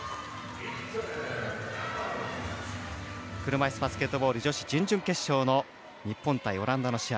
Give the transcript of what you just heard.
車いすバスケットボール、女子準々決勝の日本対オランダの試合。